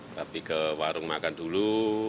tapi ke warung makan dulu